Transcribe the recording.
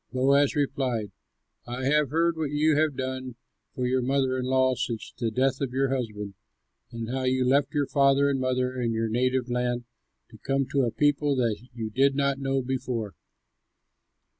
Boaz replied, "I have heard what you have done for your mother in law since the death of your husband, and how you left your father and mother and your native land to come to a people that you did not know before.